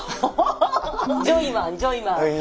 ジョイマンジョイマン。